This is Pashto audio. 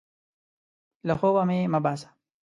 له خوبه مې مه باسه!